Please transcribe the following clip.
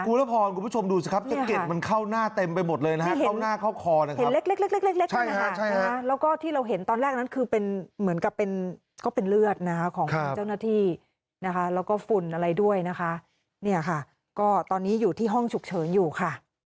คุณละพรคุณผู้ชมดูสิครับสะเก็ดมันเข้าหน้าเต็มไปหมดเลยนะฮะเข้าหน้าเข้าคอนะครับเห็นเล็กเล็กเล็กเนี่ยนะฮะแล้วก็ที่เราเห็นตอนแรกนั้นคือเป็นเหมือนกับเป็นก็เป็นเลือดนะฮะของเจ้าหน้าที่นะคะแล้วก็ฝุ่นอะไรด้วยนะคะเนี่ยค่ะก็ตอนนี้อยู่ที่ห้องฉุกเฉินอยู่ค่ะ